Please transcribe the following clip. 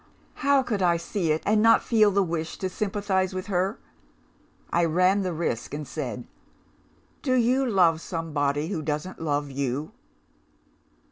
How could I see it, and not feel the wish to sympathise with her? I ran the risk, and said, 'Do you love somebody, who doesn't love you?